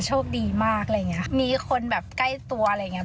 โชคดีมากอะไรอย่างเงี้ยมีคนแบบใกล้ตัวอะไรอย่างเงี้